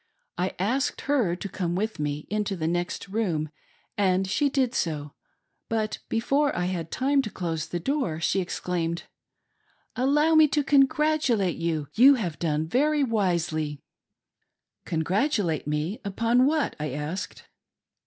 I asked her to come with me into the next room, and she did so, but before I had time to close the door, she exclaimed :" Allow me to congratulate you : you have done very wisely !" "Congratulate me upon what.'" I asked.